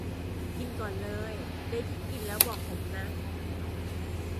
กินก่อนเลย ได้ที่กินแล้วบอกผมนะ